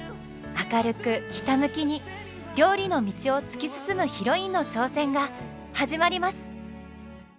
明るくひたむきに料理の道を突き進むヒロインの挑戦が始まります！